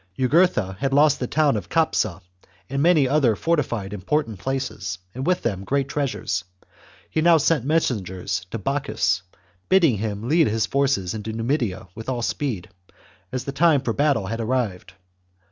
CHAP. Jugurtha had lost the town of Capsa and many other fortified important places, and with them great treasures ; he now sent messengers to Bocchus, bidding him lead his forces into Numidia with all speed, as the time for battle had arrived.